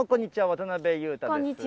渡辺裕太です。